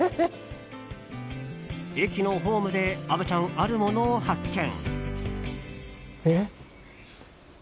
駅のホームで虻ちゃんあるものを発見。